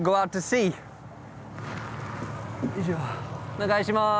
お願いします。